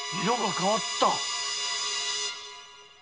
色が変わった。